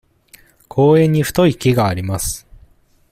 公園に太い木があります。